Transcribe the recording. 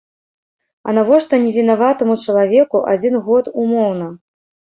А навошта невінаватаму чалавеку адзін год умоўна?